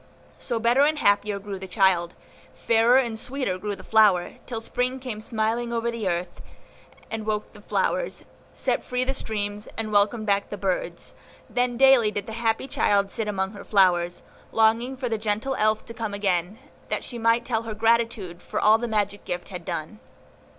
So better and happier grew the child, fairer and sweeter grew the flower, till Spring came smiling over the earth, and woke the flowers, set free the streams, and welcomed back the birds; then daily did the happy child sit among her flowers, longing for the gentle Elf to come again, that she might tell her gratitude for all the magic gift had done.